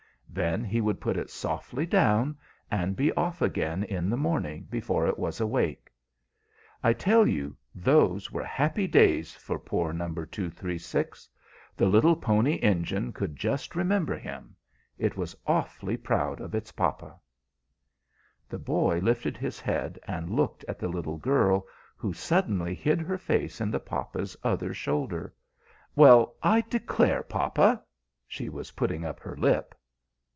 Then he would put it softly down, and be off again in the morning before it was awake. I tell you, those were happy days for poor No. 236. The little Pony Engine could just remember him; it was awfully proud of its papa." The boy lifted his head and looked at the little girl, who suddenly hid her face in the papa's other shoulder. "Well, I declare, papa, she was putting up her lip."